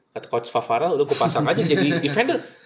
kata coach favaral lu kupasang aja jadi defender